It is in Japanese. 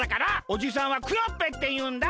おじさんはクヨッペンっていうんだ。